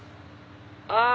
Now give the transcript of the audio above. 「ああ。